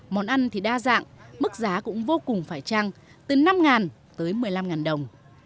món ăn thì đa dạng mức giá cũng vô cùng phải trăng từ năm tới một mươi năm đồng